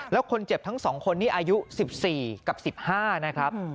แล้วคนเจ็บทั้ง๒คนนี้อายุ๑๔กับ๑๕นะครับ